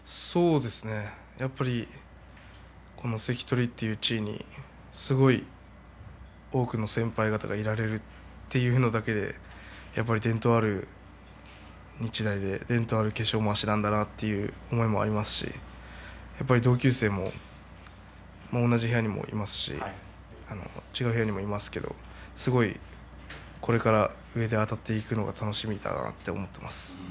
やっぱり関取という地位にすごい多くの先輩方がいられるというのだけでやっぱり伝統ある日大で伝統ある化粧まわしなんだなと思いますし同級生も同じ部屋にもいますし違う部屋にもいますけれどすごい、これから上であたっていくのが楽しみだなと思っています。